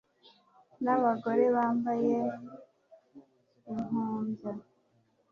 n'abagore bambaye impumbya